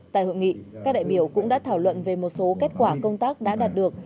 tại hội nghị các đại biểu cũng đã thảo luận về một số kết quả công tác đã đạt được